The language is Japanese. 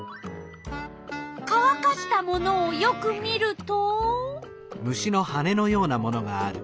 かわかしたものをよく見ると？